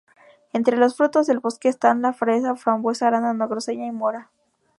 Entre los frutos del bosque, están la fresa, frambuesa, arándano, grosella y mora.